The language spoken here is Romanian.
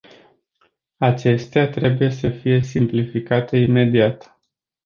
Acestea trebuie să fie simplificate imediat.